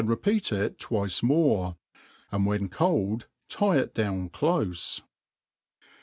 rep, cat it twice more, and when coM tic it dowii clofe. .